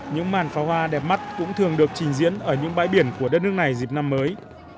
những màn pháo hoa đẹp mắt cũng thường được trình diễn ở những bãi biển của đất nước này dịp năm mới